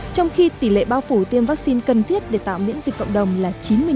trong khi tỷ lệ bao phủ tiêm vaccine cần thiết để tạo miễn dịch cộng đồng là chín mươi năm